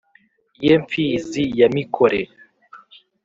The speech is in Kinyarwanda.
Ye Mfizi ya Mikore